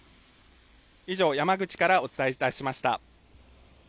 以上、山口からお伝えいたしました。